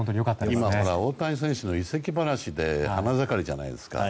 今、大谷選手の移籍話で花盛りじゃないですか。